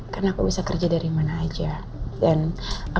karena aku bisa kerja dari mana aja